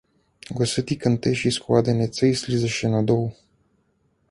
Гласът й кънтеше из кладенеца и слизаше надолу.